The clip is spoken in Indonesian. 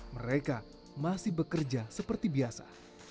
mereka masih bekerja seperti biasa